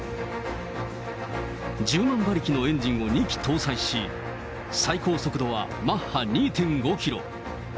１０万馬力のエンジンを２基搭載し、最高速度はマッハ２．５キロ。